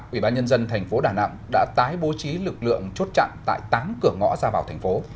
ubnd tp đà nẵng đã tái bố trí lực lượng chốt chặn tại tám cửa ngõ ra vào thành phố